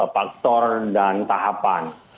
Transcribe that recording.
faktor dan tahapan